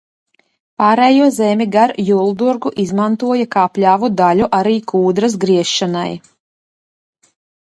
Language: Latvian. Pārējo zemi gar Juldurgu izmantoja kā pļavu daļu arī kūdras griešanai.